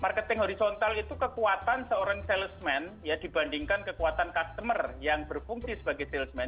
marketing horizontal itu kekuatan seorang salesman dibandingkan kekuatan customer yang berfungsi sebagai salesman